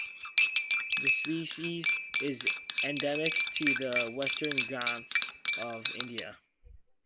The species is endemic to the Western Ghats of India.